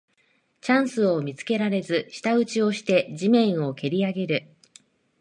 チャンスを見つけられず舌打ちをして地面をけりあげる